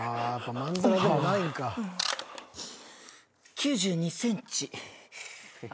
９２ｃｍ。